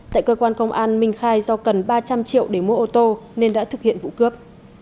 tại cơ quan công an minh khai do cần ba trăm linh triệu để mua ô tô nên đã thực hiện vụ cướp